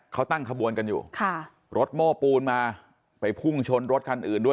เขาตั้งขบวนกันอยู่ค่ะรถโม้ปูนมาไปพุ่งชนรถคันอื่นด้วย